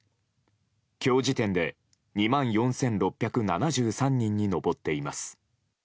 今日時点で２万４６７３人に上っています。